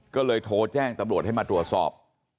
ก็เลยโทรแจ้งตำรวจให้มาตรวจสอบ